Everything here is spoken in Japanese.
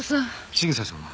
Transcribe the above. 千草さんは？